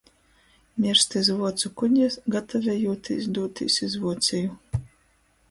Mierst iz vuocu kuģa, gatavejūtīs dūtīs iz Vuoceju.